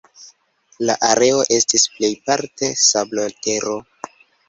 La areo estis plejparte sablotero.